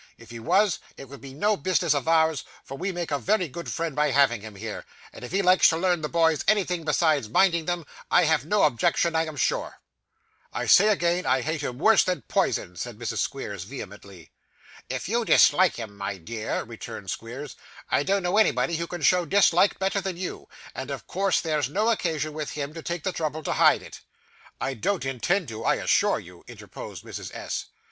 If he was, it would be no business of ours, for we make a very good friend by having him here; and if he likes to learn the boys anything besides minding them, I have no objection I am sure.' 'I say again, I hate him worse than poison,' said Mrs. Squeers vehemently. 'If you dislike him, my dear,' returned Squeers, 'I don't know anybody who can show dislike better than you, and of course there's no occasion, with him, to take the trouble to hide it.' 'I don't intend to, I assure you,' interposed Mrs. S.